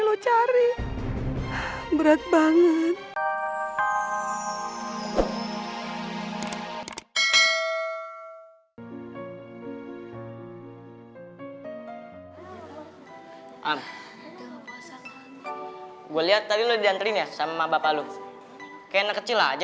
lu cari berat banget am gue lihat tadi lo diantrinya sama bapak lu kayak kecil aja